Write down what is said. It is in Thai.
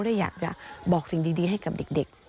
ได้อยากจะบอกสิ่งดีให้กับเด็ก